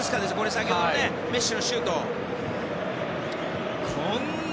先ほどのメッシのシュートね。